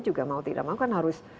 juga mau tidak mau kan harus